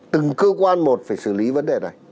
từng cơ quan một phải xử lý vấn đề này